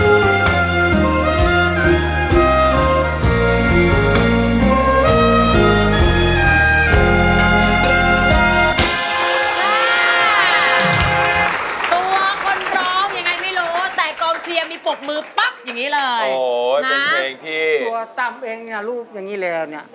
โอ้โหเป็นเพลงที่ตัวตามเพลงเนี่ยรูปอย่างงี้แหลมเนี่ย